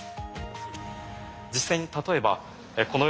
実際に例えばおっ何だ？